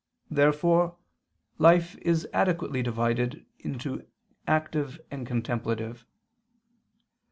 Therefore life is adequately divided into active and contemplative.